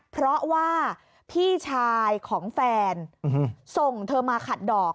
เพราะว่าพี่ชายของแฟนส่งเธอมาขัดดอก